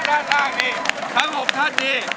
ด้านล่างนี้ทั้ง๖ท่านนี้